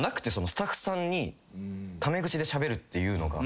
スタッフさんにタメ口でしゃべるっていうのが。